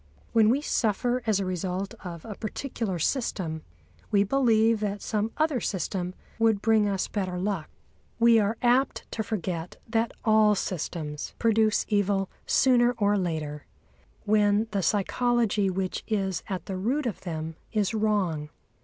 When we suffer as a result of a particular system, we believe that some other system would bring us better luck. We are apt to forget that all systems produce evil sooner or later, when the psychology which is at the root of them is wrong.